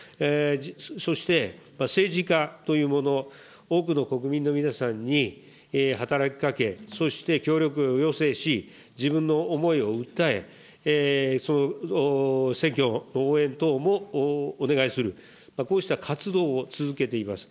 そして、政治家というもの、多くの国民の皆さんに働きかけ、そして協力を要請し、自分の思いを訴え、選挙の応援等もお願いする、こうした活動を続けています。